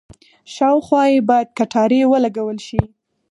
شاوخوا یې باید کټارې ولګول شي.